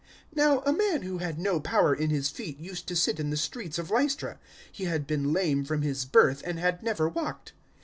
014:008 Now a man who had no power in his feet used to sit in the streets of Lystra. He had been lame from his birth and had never walked.